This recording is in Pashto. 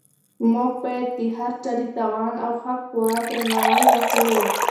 موږ باید د هر چا د توان او حق پوره درناوی وکړو.